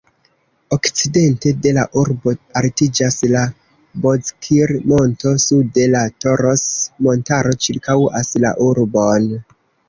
Okcidente de la urbo altiĝas la Bozkir-monto, sude la Toros-montaro ĉirkaŭas la urbon.